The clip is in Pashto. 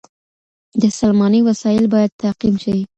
د سلمانۍ وسایل باید تعقیم شي.